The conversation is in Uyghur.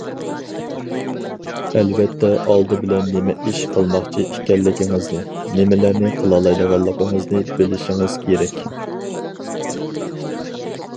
ئەلۋەتتە ئالدى بىلەن نېمە ئىش قىلماقچى ئىكەنلىكىڭىزنى، نېمىلەرنى قىلالايدىغانلىقىڭىزنى بىلىشىڭىز كېرەك.